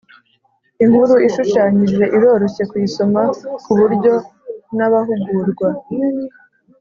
Inkuru ishushanyije iroroshye kuyisoma ku buryo n abahugurwa